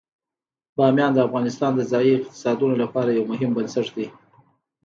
بامیان د افغانستان د ځایي اقتصادونو لپاره یو مهم بنسټ دی.